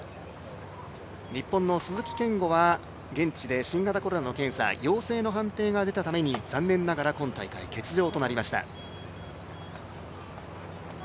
日本の鈴木健吾は、現地で新型コロナの検査陽性の判定が出たために残念ながら今大会、欠場となりました。